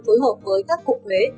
phối hợp với các cục thuế